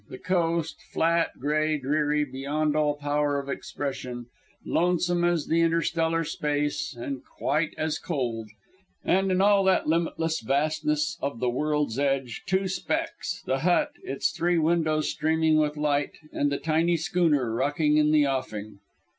The coast, flat, gray, dreary beyond all power of expression, lonesome as the interstellar space, and quite as cold, and in all that limitless vastness of the World's Edge, two specks the hut, its three windows streaming with light, and the tiny schooner rocking in the offing.